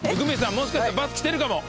もしかしてバス来てるかも。